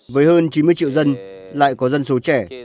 với hơn chín mươi triệu dân lại có dân số trẻ